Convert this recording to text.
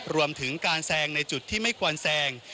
รวมถึงการแซงในจุดที่ไม่ควรแซง